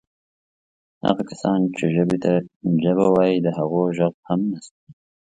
هغه کسان چې ژبې ته جبه وایي د هغو ږغ هم نسته.